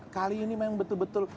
kali ini memang betul betul